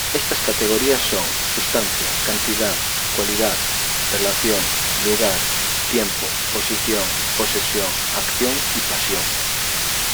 Estas categorías son: sustancia, cantidad, cualidad, relación, lugar, tiempo, posición, posesión, acción y pasión.